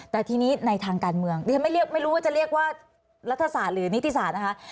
แต่ทีนี้ในทางการเมืองดิฉันไม่รู้ว่าจะเรียกว่ารัฐศาสตร์หรือนิติศาสตร์นะคะ